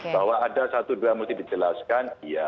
bahwa ada satu dua yang mesti dijelaskan